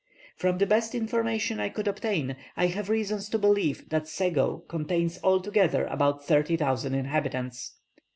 From the best information I could obtain, I have reason to believe that Sego contains altogether about thirty thousand inhabitants.